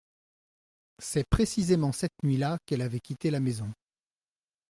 C’est précisément cette nuit-là qu’elle avait quitté la maison.